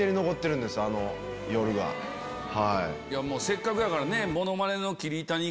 せっかくやから。